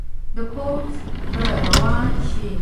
د پوځ به روان شي.